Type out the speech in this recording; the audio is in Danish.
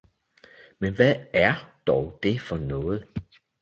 Men hvad er dog det for noget!